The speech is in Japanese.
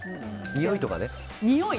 においとかね。